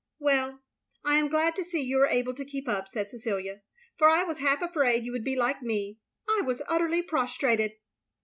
"Well — I am glad to see you are able to keep up, " said Cecilia, " for I was half afraid you would be like me. I was utterly prostrated."